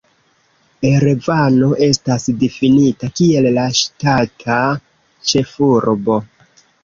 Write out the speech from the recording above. Erevano estas difinita kiel la ŝtata ĉefurbo.